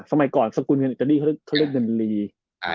สมัยก่อนสกุลเงินอินเกอร์ดี้เขาเรียกเขาเรียกเงินลีอ่า